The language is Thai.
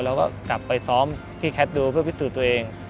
เราก็กลับไปซ้อมที่แคทโดเพื่อพิสูจน์ตัวเอง